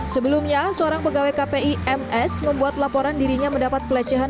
sebelumnya seorang pegawai kpi ms membuat laporan dirinya mendapat pelecehan